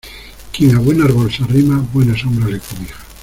Quien a buen árbol se arrima buena sombra le cobija.